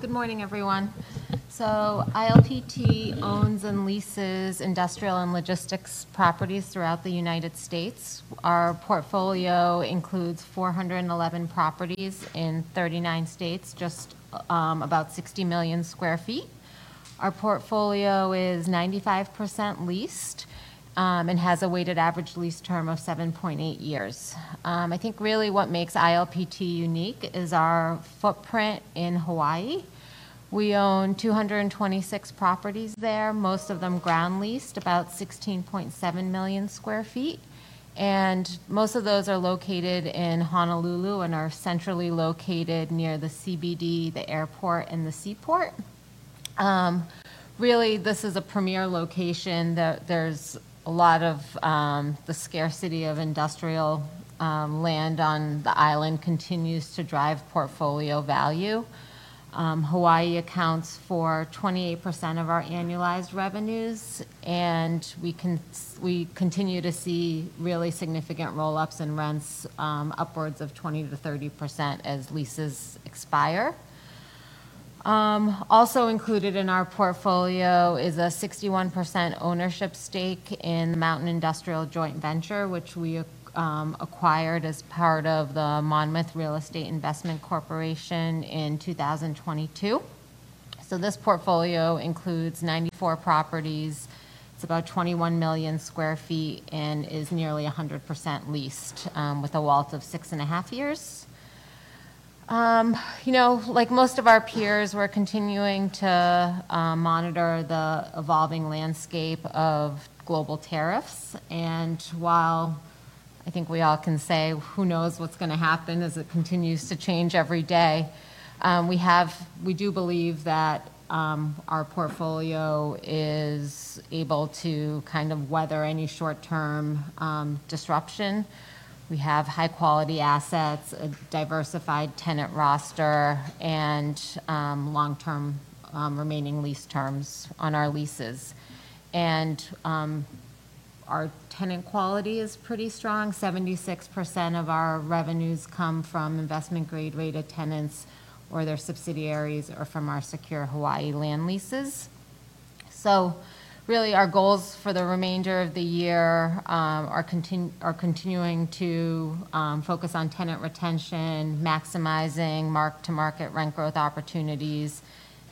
Good morning, everyone. ILPT owns and leases industrial and logistics properties throughout the United States. Our portfolio includes 411 properties in 39 states, just about 60 million sq ft. Our portfolio is 95% leased and has a weighted average lease term of 7.8 years. I think really what makes ILPT unique is our footprint in Hawaii. We own 226 properties there, most of them ground leased, about 16.7 million sq ft. Most of those are located in Honolulu and are centrally located near the CBD, the airport, and the seaport. Really, this is a premier location. The scarcity of industrial land on the island continues to drive portfolio value. Hawaii accounts for 28% of our annualized revenues, and we continue to see really significant roll-ups in rents upwards of 20%-30% as leases expire. Also included in our portfolio is a 61% ownership stake in Mountain Industrial Joint Venture, which we acquired as part of the Monmouth Real Estate Investment Corporation in 2022. This portfolio includes 94 properties. It is about 21 million sq ft and is nearly 100% leased, with a WALT of six and a half years. Like most of our peers, we are continuing to monitor the evolving landscape of global tariffs. While I think we all can say, who knows what is going to happen as it continues to change every day, we do believe that our portfolio is able to kind of weather any short-term disruption. We have high-quality assets, a diversified tenant roster, and long-term remaining lease terms on our leases. Our tenant quality is pretty strong. 76% of our revenues come from investment-grade rated tenants or their subsidiaries or from our secure Hawaii land leases. Really, our goals for the remainder of the year are continuing to focus on tenant retention, maximizing mark-to-market rent growth opportunities,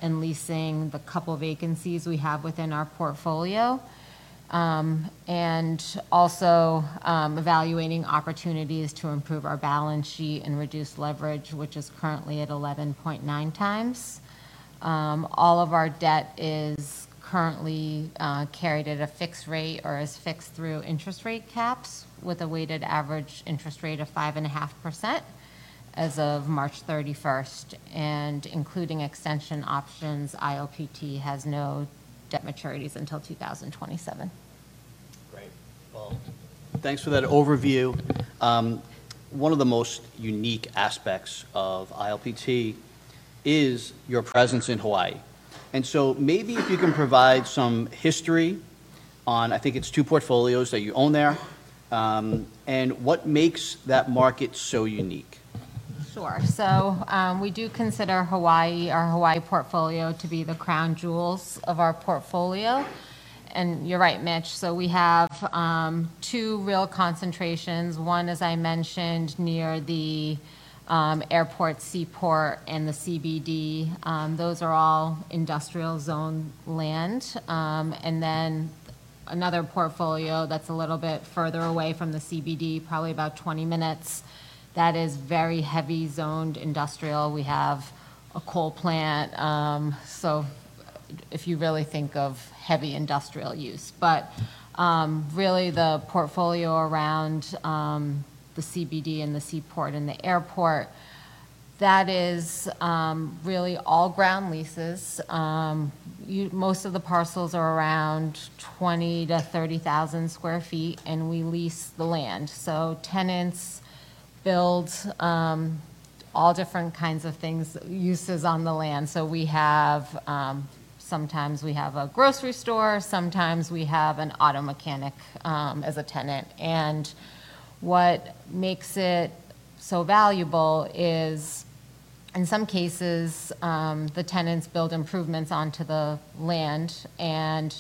and leasing the couple of vacancies we have within our portfolio, and also evaluating opportunities to improve our balance sheet and reduce leverage, which is currently at 11.9x. All of our debt is currently carried at a fixed rate or is fixed through interest rate caps with a weighted average interest rate of 5.5% as of March 31st. Including extension options, ILPT has no debt maturities until 2027. Great. Thanks for that overview. One of the most unique aspects of ILPT is your presence in Hawaii. Maybe if you can provide some history on, I think it is two portfolios that you own there, and what makes that market so unique? Sure. We do consider our Hawaii portfolio to be the crown jewels of our portfolio. You're right, Mitch. We have two real concentrations. One, as I mentioned, near the airport, seaport, and the CBD. Those are all industrial-zoned land. Another portfolio is a little bit further away from the CBD, probably about 20 minutes, that is very heavy-zoned industrial. We have a coal plant. If you really think of heavy industrial use. The portfolio around the CBD and the seaport and the airport is really all ground leases. Most of the parcels are around 20,000 sq ft-30,000 sq ft, and we lease the land. Tenants build all different kinds of things, uses on the land. Sometimes we have a grocery store. Sometimes we have an auto mechanic as a tenant. What makes it so valuable is, in some cases, the tenants build improvements onto the land, and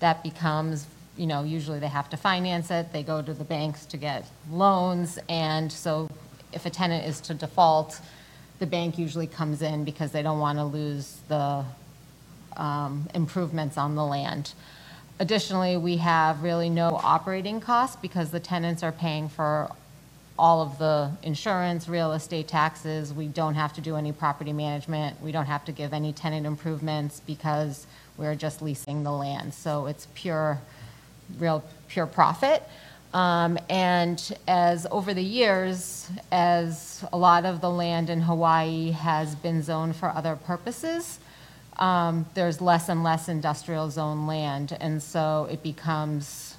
that becomes, usually they have to finance it. They go to the banks to get loans. If a tenant is to default, the bank usually comes in because they do not want to lose the improvements on the land. Additionally, we have really no operating costs because the tenants are paying for all of the insurance, real estate taxes. We do not have to do any property management. We do not have to give any tenant improvements because we are just leasing the land. It is pure, real pure profit. Over the years, as a lot of the land in Hawaii has been zoned for other purposes, there is less and less industrial-zoned land. It becomes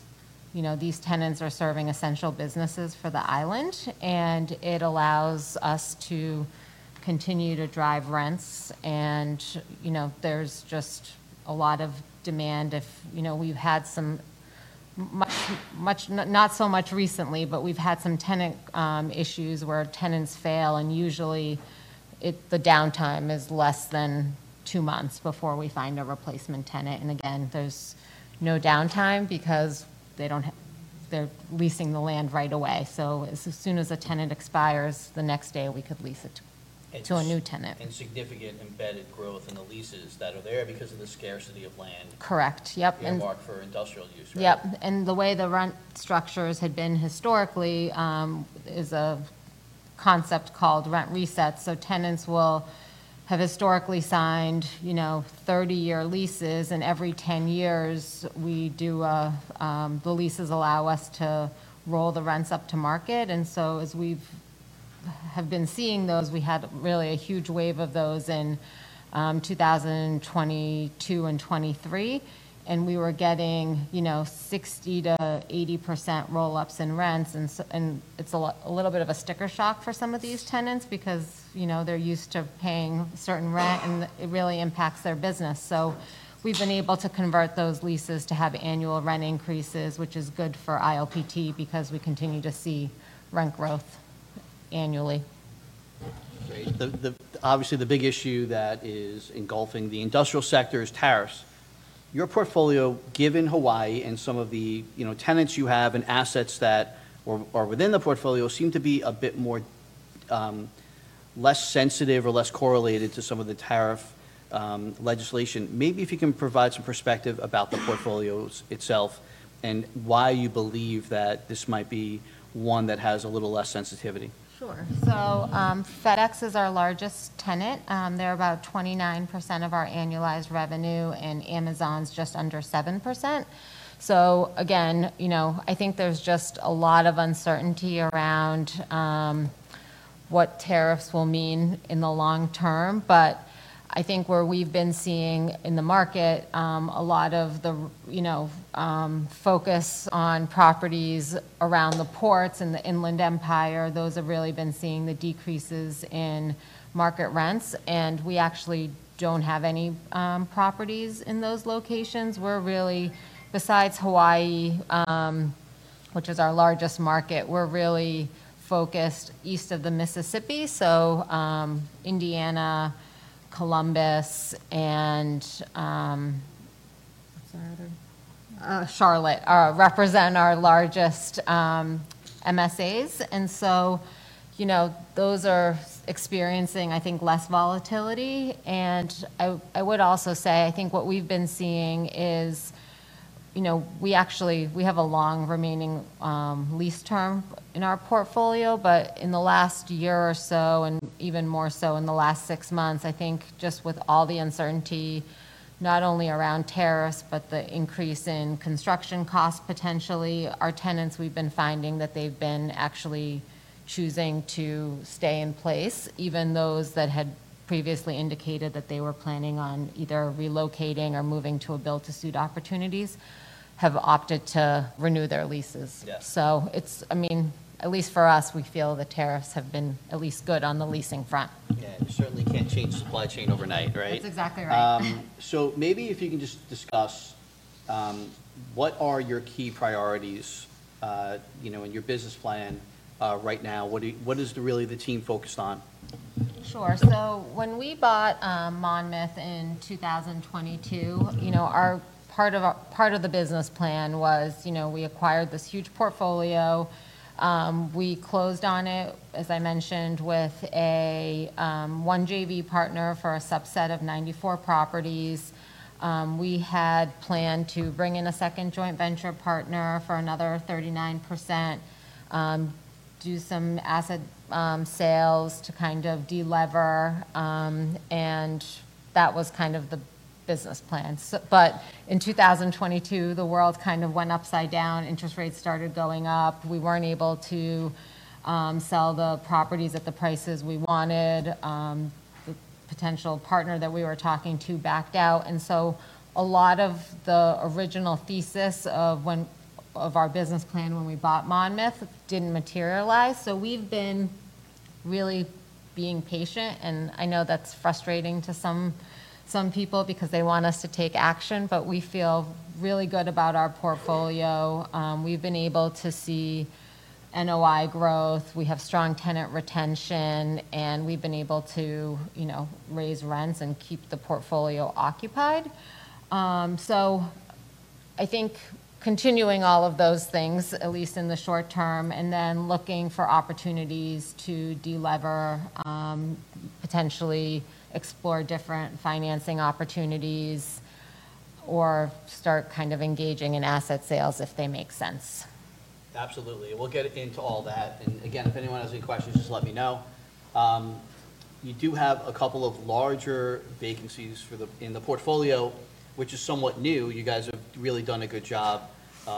these tenants are serving essential businesses for the island, and it allows us to continue to drive rents. There is just a lot of demand. We have had some, not so much recently, but we have had some tenant issues where tenants fail, and usually the downtime is less than two months before we find a replacement tenant. There is no downtime because they are leasing the land right away. As soon as a tenant expires, the next day we could lease it to a new tenant. is significant embedded growth in the leases that are there because of the scarcity of land. Correct. Yep. You mark for industrial use, right? Yep. The way the rent structures had been historically is a concept called rent reset. Tenants will have historically signed 30-year leases, and every 10 years the leases allow us to roll the rents up to market. As we have been seeing those, we had really a huge wave of those in 2022 and 2023, and we were getting 60%-80% roll-ups in rents. It is a little bit of a sticker shock for some of these tenants because they are used to paying certain rent, and it really impacts their business. We have been able to convert those leases to have annual rent increases, which is good for ILPT because we continue to see rent growth annually. Great. Obviously, the big issue that is engulfing the industrial sector is tariffs. Your portfolio, given Hawaii and some of the tenants you have and assets that are within the portfolio, seem to be a bit less sensitive or less correlated to some of the tariff legislation. Maybe if you can provide some perspective about the portfolio itself and why you believe that this might be one that has a little less sensitivity. Sure. FedEx is our largest tenant. They're about 29% of our annualized revenue, and Amazon's just under 7%. I think there's just a lot of uncertainty around what tariffs will mean in the long term. I think where we've been seeing in the market, a lot of the focus on properties around the ports and the Inland Empire, those have really been seeing the decreases in market rents. We actually don't have any properties in those locations. Besides Hawaii, which is our largest market, we're really focused east of the Mississippi. Indiana, Columbus, and Charlotte represent our largest MSAs. Those are experiencing, I think, less volatility. I would also say I think what we've been seeing is we have a long remaining lease term in our portfolio, but in the last year or so, and even more so in the last six months, I think just with all the uncertainty, not only around tariffs, but the increase in construction costs potentially, our tenants, we've been finding that they've been actually choosing to stay in place. Even those that had previously indicated that they were planning on either relocating or moving to a build-to-suit opportunities have opted to renew their leases. I mean, at least for us, we feel the tariffs have been at least good on the leasing front. Yeah. You certainly can't change supply chain overnight, right? That's exactly right. Maybe if you can just discuss, what are your key priorities in your business plan right now? What is really the team focused on? Sure. When we bought Monmouth in 2022, part of the business plan was we acquired this huge portfolio. We closed on it, as I mentioned, with one JV partner for a subset of 94 properties. We had planned to bring in a second joint venture partner for another 39%, do some asset sales to kind of delever. That was kind of the business plan. In 2022, the world kind of went upside down. Interest rates started going up. We were not able to sell the properties at the prices we wanted. The potential partner that we were talking to backed out. A lot of the original thesis of our business plan when we bought Monmouth did not materialize. We have been really being patient. I know that is frustrating to some people because they want us to take action, but we feel really good about our portfolio. We've been able to see NOI growth. We have strong tenant retention, and we've been able to raise rents and keep the portfolio occupied. I think continuing all of those things, at least in the short term, and then looking for opportunities to deliver, potentially explore different financing opportunities, or start kind of engaging in asset sales if they make sense. Absolutely. We'll get into all that. If anyone has any questions, just let me know. You do have a couple of larger vacancies in the portfolio, which is somewhat new. You guys have really done a good job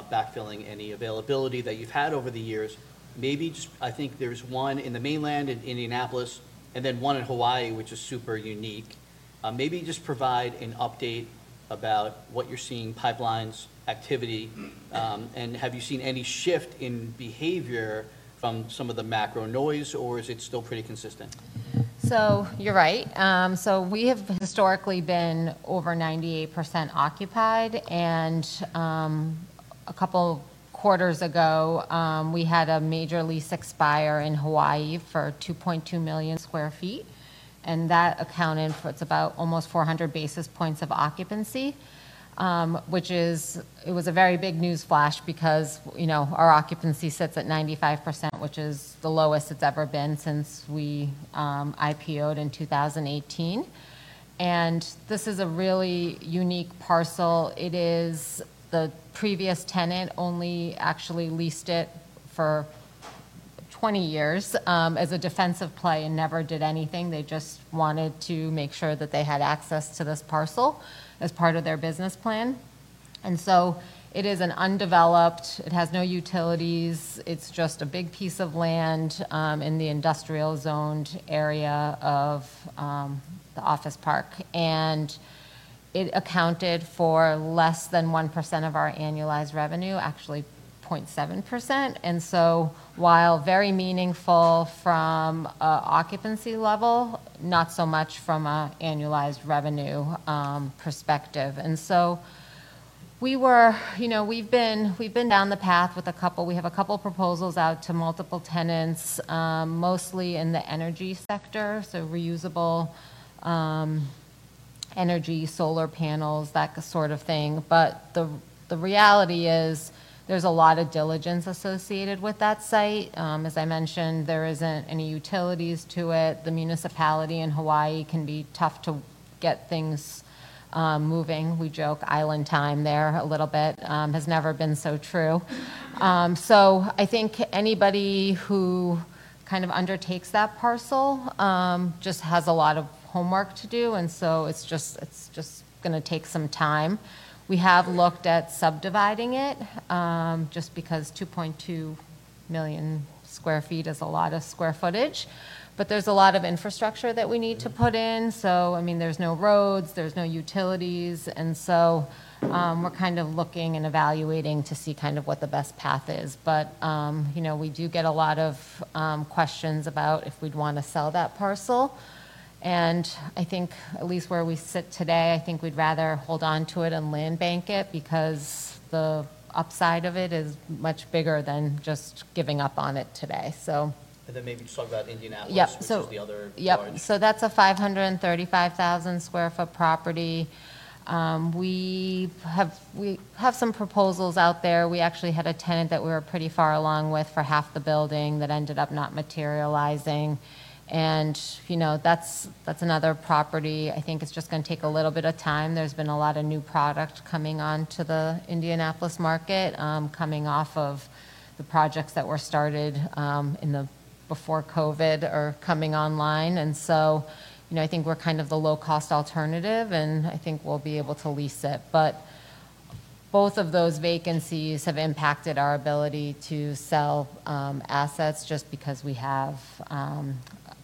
backfilling any availability that you've had over the years. Maybe just, I think there's one in the mainland in Indianapolis and then one in Hawaii, which is super unique. Maybe just provide an update about what you're seeing: pipelines, activity, and have you seen any shift in behavior from some of the macro noise, or is it still pretty consistent? You're right. We have historically been over 98% occupied. A couple of quarters ago, we had a major lease expire in Hawaii for 2.2 million sq ft. That accounted for about almost 400 basis points of occupancy, which was a very big news flash because our occupancy sits at 95%, which is the lowest it's ever been since we IPO'd in 2018. This is a really unique parcel. The previous tenant only actually leased it for 20 years as a defensive play and never did anything. They just wanted to make sure that they had access to this parcel as part of their business plan. It is undeveloped. It has no utilities. It's just a big piece of land in the industrial-zoned area of the office park. It accounted for less than 1% of our annualized revenue, actually 0.7%. While very meaningful from an occupancy level, not so much from an annualized revenue perspective. We have a couple of proposals out to multiple tenants, mostly in the energy sector, so reusable energy, solar panels, that sort of thing. The reality is there is a lot of diligence associated with that site. As I mentioned, there are not any utilities to it. The municipality in Hawaii can be tough to get things moving. We joke island time there a little bit has never been so true. I think anybody who kind of undertakes that parcel just has a lot of homework to do. It is just going to take some time. We have looked at subdividing it just because 2.2 million sq ft is a lot of square footage. But there is a lot of infrastructure that we need to put in. I mean, there are no roads. There are no utilities. We are kind of looking and evaluating to see what the best path is. We do get a lot of questions about if we would want to sell that parcel. I think at least where we sit today, we would rather hold on to it and land bank it because the upside of it is much bigger than just giving up on it today. Maybe just talk about Indianapolis. Yep. Just the other parts. Yep. That is a 535,000 sq ft property. We have some proposals out there. We actually had a tenant that we were pretty far along with for half the building that ended up not materializing. That is another property. I think it is just going to take a little bit of time. There has been a lot of new product coming onto the Indianapolis market coming off of the projects that were started before COVID or coming online. I think we are kind of the low-cost alternative, and I think we will be able to lease it. Both of those vacancies have impacted our ability to sell assets just because we have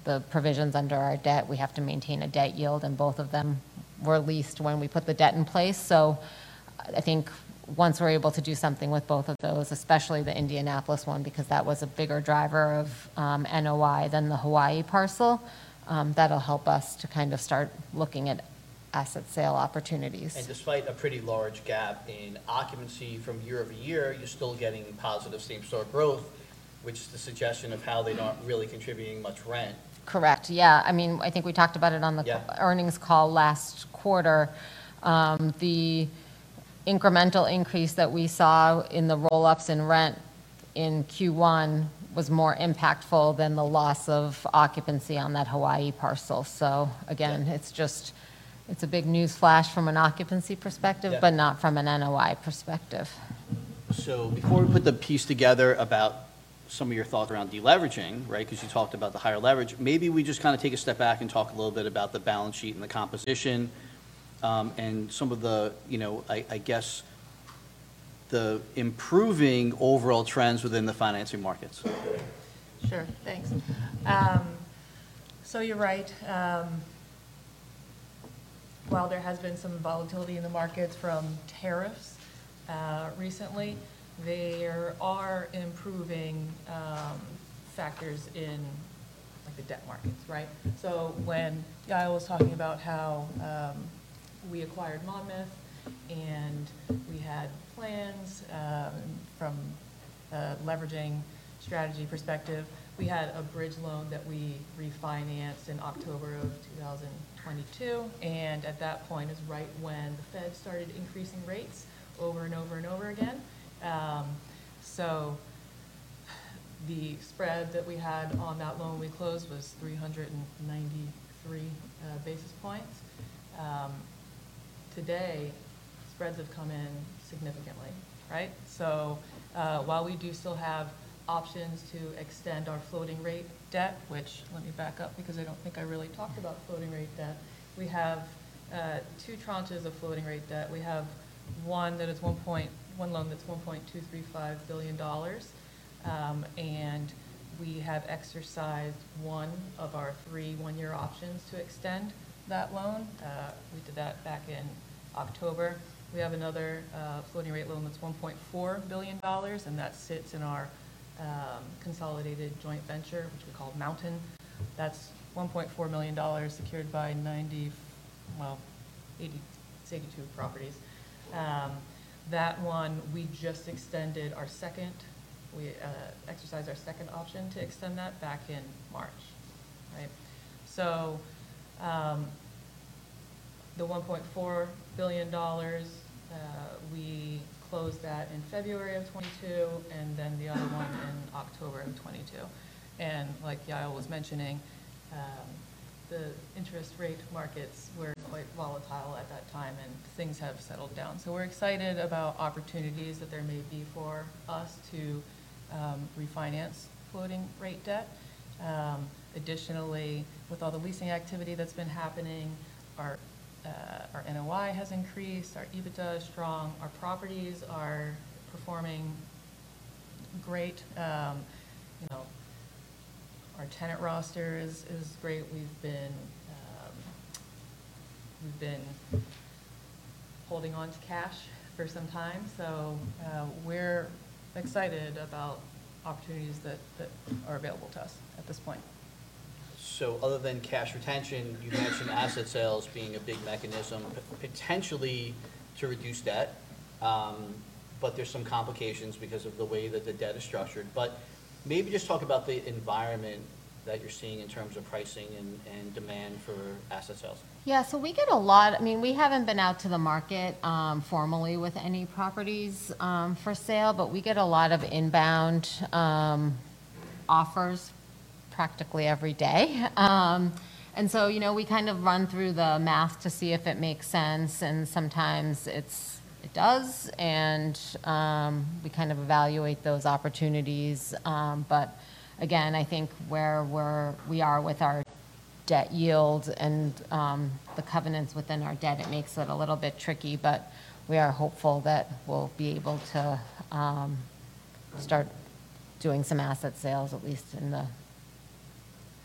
the provisions under our debt. We have to maintain a debt yield. Both of them were leased when we put the debt in place. I think once we're able to do something with both of those, especially the Indianapolis one, because that was a bigger driver of NOI than the Hawaii parcel, that'll help us to kind of start looking at asset sale opportunities. Despite a pretty large gap in occupancy from year over year, you're still getting positive same-store growth, which is the suggestion of how they aren't really contributing much rent. Correct. Yeah. I mean, I think we talked about it on the earnings call last quarter. The incremental increase that we saw in the roll-ups in rent in Q1 was more impactful than the loss of occupancy on that Hawaii parcel. Again, it is just a big news flash from an occupancy perspective, but not from an NOI perspective. Before we put the piece together about some of your thoughts around deleveraging, right, because you talked about the higher leverage, maybe we just kind of take a step back and talk a little bit about the balance sheet and the composition and some of the, I guess, the improving overall trends within the financing markets. Sure. Thanks. You're right. While there has been some volatility in the markets from tariffs recently, there are improving factors in the debt markets, right? When Yael was talking about how we acquired Monmouth and we had plans from a leveraging strategy perspective, we had a bridge loan that we refinanced in October of 2022. At that point is right when the Feds started increasing rates over and over and over again. The spread that we had on that loan we closed was 393 basis points. Today, spreads have come in significantly, right? While we do still have options to extend our floating rate debt, which let me back up because I do not think I really talked about floating rate debt, we have two tranches of floating rate debt. We have one that is one point one loan that is $1.235 billion. We have exercised one of our three one-year options to extend that loan. We did that back in October. We have another floating rate loan that's $1.4 billion, and that sits in our consolidated joint venture, which we call Mountain. That's $1.4 billion secured by, well, 82 properties. That one, we just extended our second. We exercised our second option to extend that back in March, right? The $1.4 billion, we closed that in February of 2022, and then the other one in October of 2022. Like Yael was mentioning, the interest rate markets were quite volatile at that time, and things have settled down. We are excited about opportunities that there may be for us to refinance floating rate debt. Additionally, with all the leasing activity that's been happening, our NOI has increased. Our EBITDA is strong. Our properties are performing great. Our tenant roster is great. We've been holding on to cash for some time. We are excited about opportunities that are available to us at this point. Other than cash retention, you mentioned asset sales being a big mechanism potentially to reduce debt, but there are some complications because of the way that the debt is structured. Maybe just talk about the environment that you are seeing in terms of pricing and demand for asset sales. Yeah. We get a lot, I mean, we haven't been out to the market formally with any properties for sale, but we get a lot of inbound offers practically every day. We kind of run through the math to see if it makes sense, and sometimes it does. We kind of evaluate those opportunities. I think where we are with our debt yield and the covenants within our debt, it makes it a little bit tricky. We are hopeful that we'll be able to start doing some asset sales, at least in the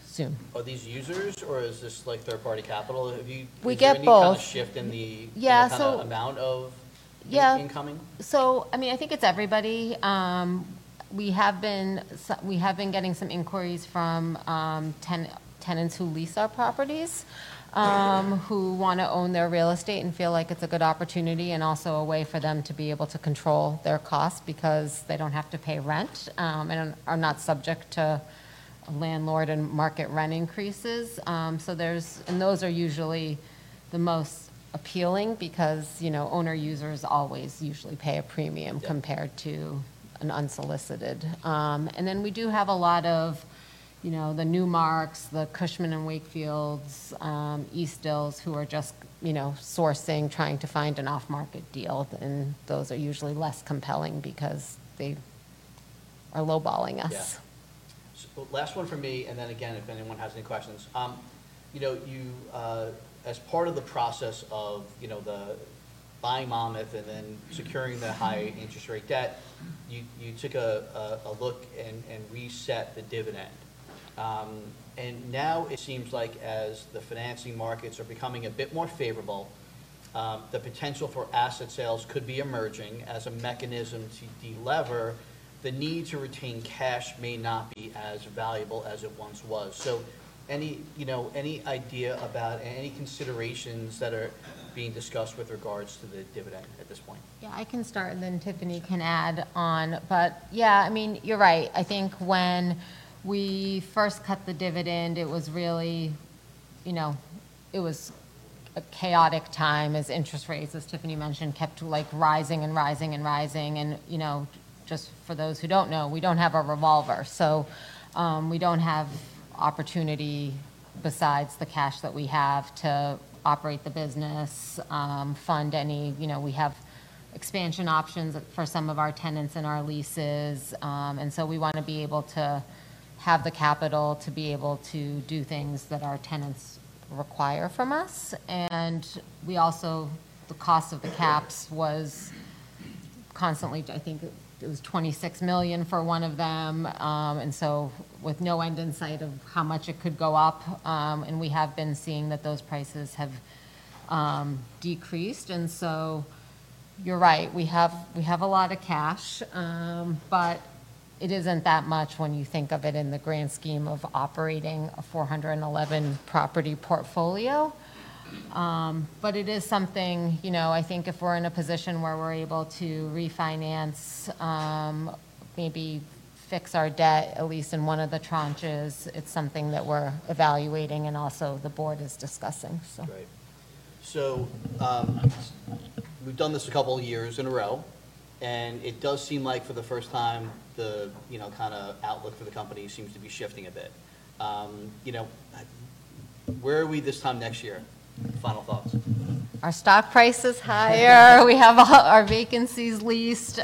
soon. Are these users, or is this third-party capital? Have you seen any kind of shift in the amount of incoming? Yeah. I mean, I think it's everybody. We have been getting some inquiries from tenants who lease our properties who want to own their real estate and feel like it's a good opportunity and also a way for them to be able to control their costs because they don't have to pay rent and are not subject to landlord and market rent increases. Those are usually the most appealing because owner-users always usually pay a premium compared to an unsolicited. We do have a lot of the Newmarks, the Cushman & Wakefields, Eastdils who are just sourcing, trying to find an off-market deal. Those are usually less compelling because they are lowballing us. Yeah. Last one from me. And then again, if anyone has any questions. As part of the process of buying Monmouth and then securing the high-interest rate debt, you took a look and reset the dividend. Now it seems like as the financing markets are becoming a bit more favorable, the potential for asset sales could be emerging as a mechanism to deliver. The need to retain cash may not be as valuable as it once was. Any idea about any considerations that are being discussed with regards to the dividend at this point? Yeah. I can start, and then Tiffany can add on. Yeah, I mean, you're right. I think when we first cut the dividend, it was really a chaotic time as interest rates, as Tiffany mentioned, kept rising and rising and rising. Just for those who do not know, we do not have a revolver. We do not have opportunity besides the cash that we have to operate the business, fund any. We have expansion options for some of our tenants and our leases. We want to be able to have the capital to be able to do things that our tenants require from us. The cost of the caps was constantly, I think it was $26 million for one of them. With no end in sight of how much it could go up. We have been seeing that those prices have decreased. You're right. We have a lot of cash, but it isn't that much when you think of it in the grand scheme of operating a 411 property portfolio. It is something I think if we're in a position where we're able to refinance, maybe fix our debt at least in one of the tranches, it's something that we're evaluating and also the board is discussing. Right. So we've done this a couple of years in a row. And it does seem like for the first time, the kind of outlook for the company seems to be shifting a bit. Where are we this time next year? Final thoughts. Our stock price is higher. We have our vacancies leased.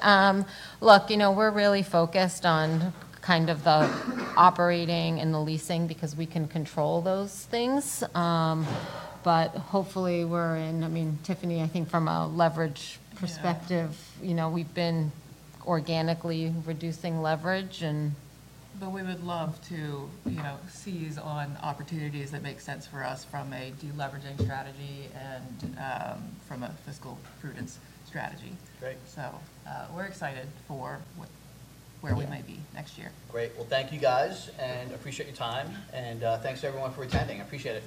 Look, we're really focused on kind of the operating and the leasing because we can control those things. Hopefully, we're in, I mean, Tiffany, I think from a leverage perspective, we've been organically reducing leverage. We would love to seize on opportunities that make sense for us from a deleveraging strategy and from a fiscal prudence strategy. We are excited for where we may be next year. Great. Thank you guys and appreciate your time. Thanks to everyone for attending. I appreciate it.